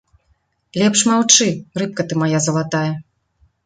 Лепш маўчы, рыбка ты мая залатая.